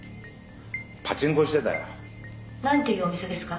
パチンコしてたよ。なんていうお店ですか？